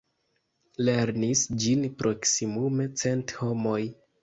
Lernis ĝin proksimume cent homoj.